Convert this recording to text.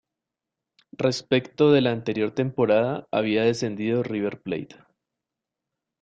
Respecto de la anterior temporada, había descendido River Plate.